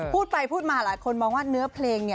พูดไปพูดมาหลายคนมองว่าเนื้อเพลง